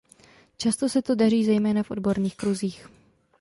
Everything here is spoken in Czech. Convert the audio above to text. Často se to daří zejména v odborných kruzích.